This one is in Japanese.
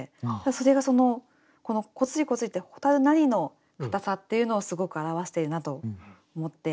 それがこの「こつりこつり」って蛍なりの硬さっていうのをすごく表しているなと思って。